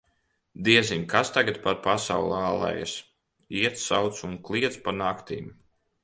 Diezin, kas tagad pa pasauli ālējas: iet, sauc un kliedz pa naktīm.